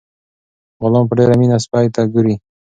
غلام په ډیره مینه سپي ته ګوري.